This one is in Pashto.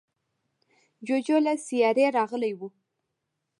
جوجو له سیارې راغلی و.